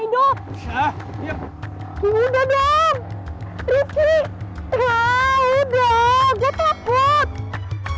udah gua takut